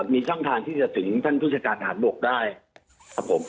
มีช่องทางที่จะถึงท่านผู้จัดการฐานบกได้ครับผม